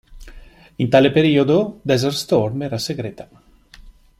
In tal periodo, "Desert Storm" era segreta.